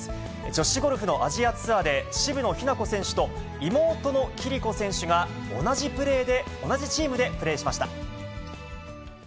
女子ゴルフのアジアツアーで、渋野日向子選手と、妹の暉璃子選手が同じチームでプレーしました。